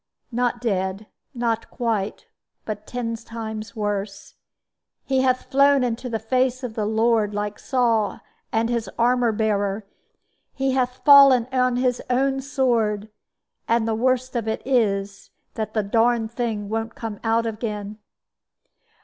"Not dead not quite; but ten times worse. He hath flown into the face of the Lord, like Saul and his armor bearer; he hath fallen on his own sword; and the worst of it is that the darned thing won't come out again."